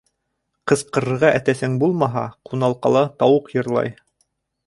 Ҡысҡырырға әтәсең булмаһа, ҡуналҡала тауыҡ йырлай.